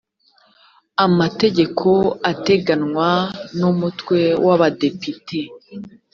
amategeko ateganywa n umutwe w abadepite